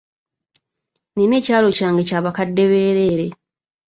Nina ekyalo kyange kya bakadde bereere.